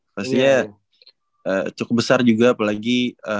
pastinya cukup besar juga apalagi